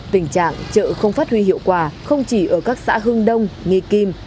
tình trạng chợ không phát huy hiệu quả không chỉ ở các xã hưng đông nghi kim